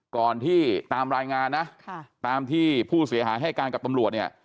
ก่อนที่ตามรายงานนะตามที่ผู้เสียหายให้การกับตำรวจเนี่ย